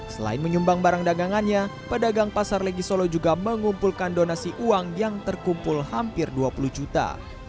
selain menyumbang barang dagangannya pedagang pasar legi solo juga mengumpulkan donasi uang yang terkumpul hampir dua puluh juta